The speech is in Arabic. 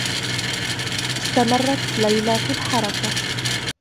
استمرّت ليلى في الحركة.